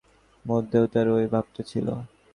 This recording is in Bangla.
তিনি যে দেবতা মানিতেন না তার মধ্যেও তাঁর ঐ ভাবটা ছিল।